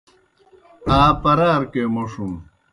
آ پرارکے موْݜُن۔